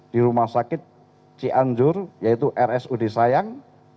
di rumah sakit cianjur yaitu rs udisayang